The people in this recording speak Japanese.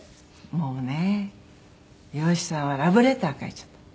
もうね吉さんはラブレター書いちゃったの。